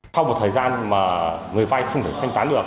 sau một thời gian mà người vay không thể thanh tán được